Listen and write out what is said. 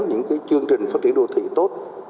những chương trình phát triển đô thị tốt